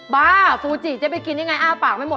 บ้าฟูจิเจ๊ไปกินยังไงอ้าปากไม่หมด